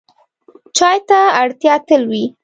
چای ته اړتیا تل وي.